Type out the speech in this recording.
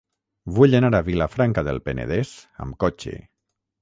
Vull anar a Vilafranca del Penedès amb cotxe.